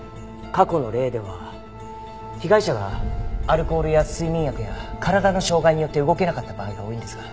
過去の例では被害者がアルコールや睡眠薬や体の障がいによって動けなかった場合が多いんですが。